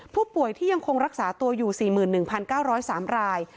ผู้ป่วยที่ยังคงรักษาตัวอยู่๔๑๙๐๓ราย